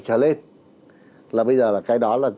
thì chúng ta phải nhìn vào cái góc độ thế này